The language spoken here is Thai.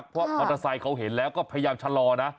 เพราะมอเตอร์ไซค์เขาเห็นแล้วก็พยายามชะลอนะ